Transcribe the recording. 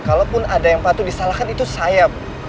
kalaupun ada yang patut disalahkan itu sayap